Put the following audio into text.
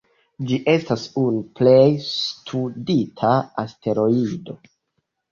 Ĝi estas unu plej studita asteroido.